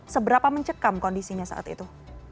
seberapa mencekam kondisinya saat itu